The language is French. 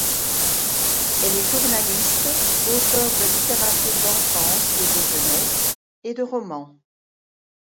Elle est journaliste, auteure de littérature d'enfance et de jeunesse et de romans.